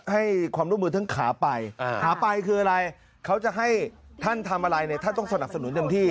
ให้ความร่วมมือทั้งขาไปหาไปคืออะไรเขาจะให้ท่านทำอะไรเนี่ยท่านต้องสนับสนุนเต็มที่